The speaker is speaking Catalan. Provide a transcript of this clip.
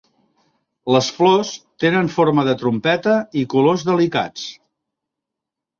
Les flors tenen forma de trompeta i colors delicats.